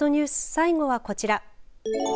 最後はこちら。